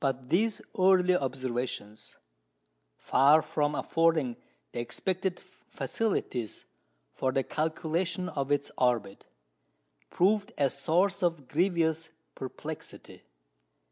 But these early observations, far from affording the expected facilities for the calculation of its orbit, proved a source of grievous perplexity.